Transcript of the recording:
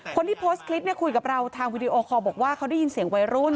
คนที่โพสต์คลิปเนี่ยคุยกับเราทางวิดีโอคอลบอกว่าเขาได้ยินเสียงวัยรุ่น